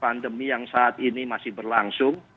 pandemi yang saat ini masih berlangsung